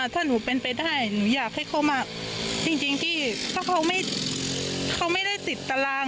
ถ้าหนูเป็นไปได้หนูอยากให้เขามาจริงที่ถ้าเขาไม่ได้ติดตาราง